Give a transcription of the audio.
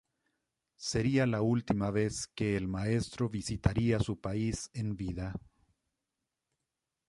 Seria la última vez que el maestro visitaría su país en vida.